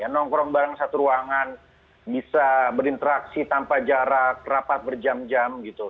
nongkrong bareng satu ruangan bisa berinteraksi tanpa jarak rapat berjam jam gitu